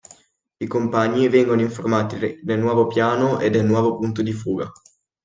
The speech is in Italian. I compagni vengono informati del nuovo piano e del nuovo punto di fuga.